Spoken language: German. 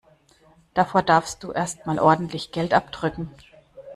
Davor darfst du erst mal ordentlich Geld abdrücken.